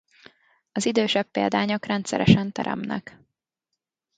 Az idősebb példányok rendszeresen teremnek.